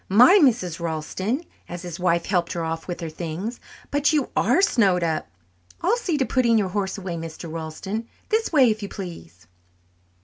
My, Mrs. Ralston," as his wife helped her off with her things, "but you are snowed up! I'll see to putting your horse away, Mr. Ralston. This way, if you please."